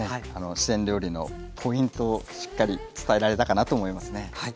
四川料理のポイントをしっかり伝えられたかなと思いますね。